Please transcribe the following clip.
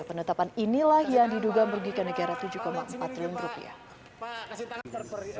penetapan inilah yang diduga merugikan negara tujuh empat triliun rupiah